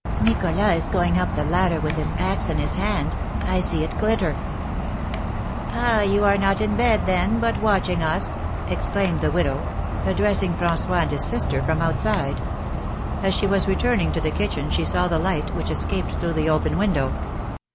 "Nicholas is going up the ladder with his axe in his hand. I see it glitter." "Ah, you are not in bed, then, but watching us!" exclaimed the widow, addressing François and his sister from outside. As she was returning to the kitchen she saw the light, which escaped through the open window.